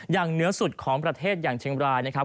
อย่างเหนือสุดของประเทศอย่างเชียงบรายนะครับ